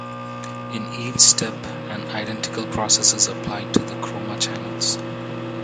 In each step, an identical process is applied to the chroma channels.